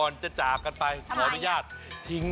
รอไหน